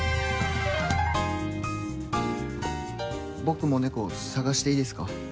僕も猫探していいですか？